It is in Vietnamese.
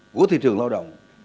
của thị trường lao động